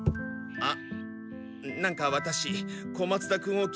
あっ。